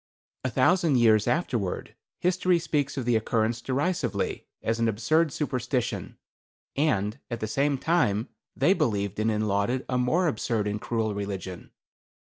"A thousand years afterward history speaks of the occurrence derisively, as an absurd superstition, and at the same time they believed in and lauded a more absurd and cruel religion.